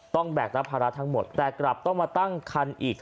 แบกรับภาระทั้งหมดแต่กลับต้องมาตั้งคันอีก